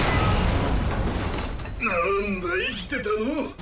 なんだ生きてたの？